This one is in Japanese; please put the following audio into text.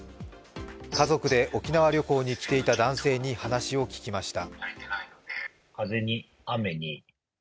家族で沖縄旅行に来ていた男性に話を聞きました。